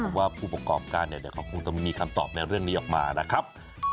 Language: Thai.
เพราะว่าผู้ประกอบการเดี๋ยวเขาคงต้องมีคำตอบในเรื่องนี้ออกมานะครับ